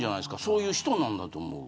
そういう人なんだと思う。